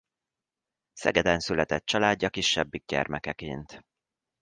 Szegeden született családja kisebbik gyermekeként.